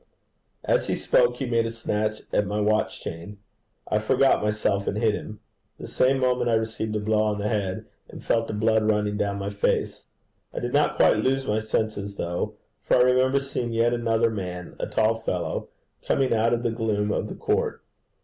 As he spoke he made a snatch at my watch chain. I forgot myself and hit him. The same moment I received a blow on the head, and felt the blood running down my face. I did not quite lose my senses, though, for I remember seeing yet another man a tall fellow, coming out of the gloom of the court.